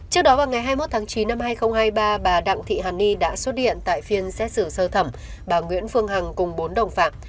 trước đó vào ngày hai mươi một tháng chín năm hai nghìn hai mươi ba bà đặng thị hàn ni đã xuất hiện tại phiên xét xử sơ thẩm bà nguyễn phương hằng cùng bốn đồng phạm